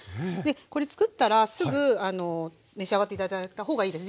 これつくったらすぐ召し上がって頂いたほうがいいです。